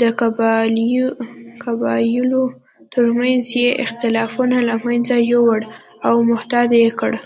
د قبایلو تر منځ یې اختلافونه له منځه یووړل او متحد یې کړل.